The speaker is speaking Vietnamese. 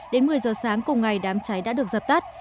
đến một mươi giờ sáng cùng ngày đám cháy đã được dập tắt